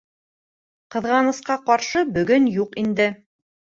Ҡыҙғанысҡа ҡаршы, бөгөн юҡ инде